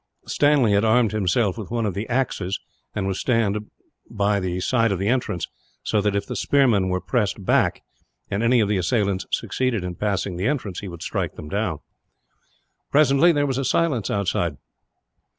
Stanley had armed himself with one of the axes, and was to stand by the side of the entrance so that, if the spearmen were pressed back, and any of the assailants succeeded in passing the entrance, he would strike them down. Presently, there was a silence outside.